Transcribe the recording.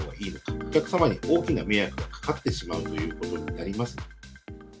お客様に大きな迷惑がかかってしまうということになります。